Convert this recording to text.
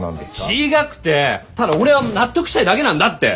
違くてただ俺は納得したいだけなんだって！